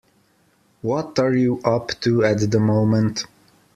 What are you up to at the moment?